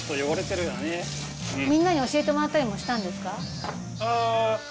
みんなに教えてもらったりもしたんですか？